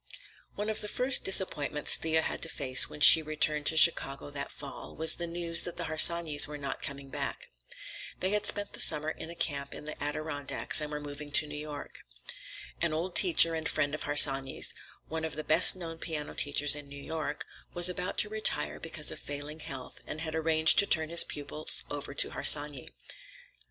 One of the first disappointments Thea had to face when she returned to Chicago that fall, was the news that the Harsanyis were not coming back. They had spent the summer in a camp in the Adirondacks and were moving to New York. An old teacher and friend of Harsanyi's, one of the best known piano teachers in New York, was about to retire because of failing health and had arranged to turn his pupils over to Harsanyi.